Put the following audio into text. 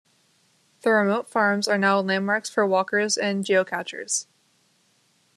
The remote farms are now landmarks for walkers and geocachers.